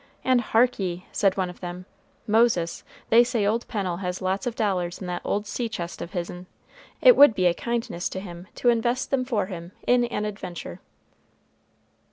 And "hark ye," said one of them, "Moses, they say old Pennel has lots of dollars in that old sea chest of his'n. It would be a kindness to him to invest them for him in an adventure."